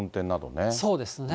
そうですね。